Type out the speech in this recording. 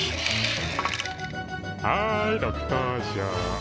はい６等賞。